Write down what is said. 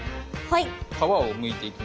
はい。